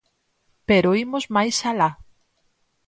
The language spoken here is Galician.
Pero imos máis alá.